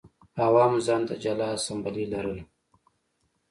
عوامو ځان ته جلا اسامبله لرله